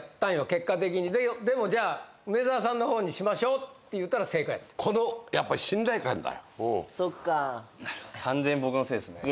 結果的にでもじゃあ梅沢さんのほうにしましょうって言ったら正解やってんこのそっか完全に僕のせいですね